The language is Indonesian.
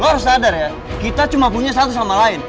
lo harus sadar ya kita cuma punya satu sama lain